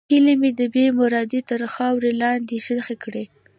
هیلې مې د بېمرادۍ تر خاورو لاندې ښخې دي.